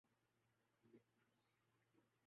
قیادت ان کے سپرد کی جائے